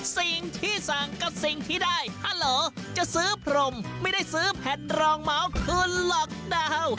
สิ่งที่สั่งกับสิ่งที่ได้ฮัลโหลจะซื้อพรมไม่ได้ซื้อแผ่นรองเมาส์คืนล็อกดาวน์